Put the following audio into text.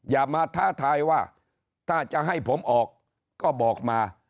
อย่ามาท้าทายว่าถ้าจะให้ผมออกก็บอกมา